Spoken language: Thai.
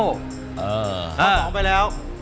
พอออกไปแล้ว